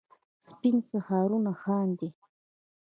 سپین سهارونه خاندي